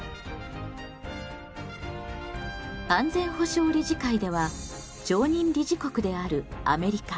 安全保障理事会では常任理事国であるアメリカ